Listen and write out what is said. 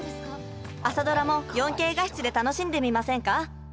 「朝ドラ」も４Ｋ画質で楽しんでみませんか？